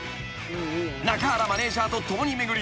［中原マネジャーと共に巡り